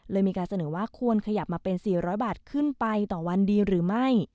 มีการเสนอว่าควรขยับมาเป็น๔๐๐บาทขึ้นไปต่อวันดีหรือไม่